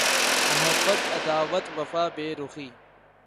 Muhabbat Adawat Wafa Berukhi